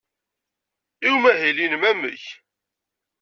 I umahil-nnem, amek?